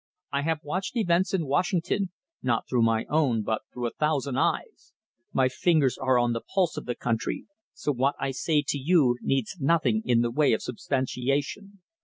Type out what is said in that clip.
I have watched events in Washington, not through my own but through a thousand eyes. My fingers are on the pulse of the country, so what I say to you needs nothing in the way of substantiation.